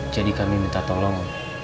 jadi kami minta tolong